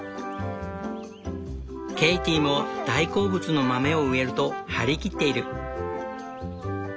ケイティも「大好物の豆を植える」と張り切っている。